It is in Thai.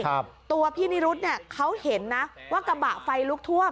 ครับตัวพี่นิรุธเนี่ยเขาเห็นนะว่ากระบะไฟลุกท่วม